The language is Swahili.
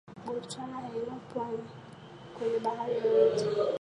Botswana haina pwani kwenye bahari yoyote